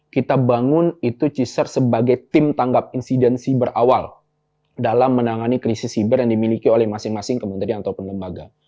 kita bangun itu ciser sebagai tim tanggap insiden siber awal dalam menangani krisis siber yang dimiliki oleh masing masing kementerian atau penelembaga